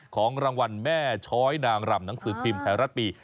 ของรางวัลแม่ช้อยนางรำหนังสือพิมพ์ไทยรัฐปี